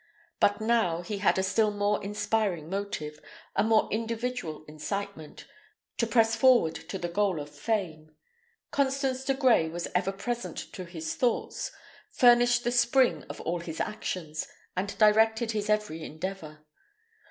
But now he had a still more inspiring motive, a more individual incitement, to press forward to the goal of fame. Constance de Grey was ever present to his thoughts, furnished the spring of all his actions, and directed his every endeavour.